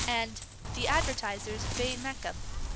_ and _The Advertiser's Vade Mecum.